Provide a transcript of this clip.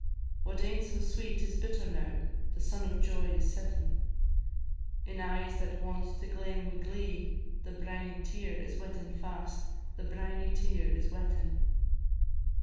What aince was sweet is bitter now, The sun of joy is setting; In eyes that wont to glame wi' glee, The briny tear is wetting fast, The briny tear is wetting.